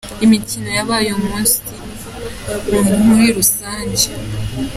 Imikino yabaye uyu munsi muri rusange.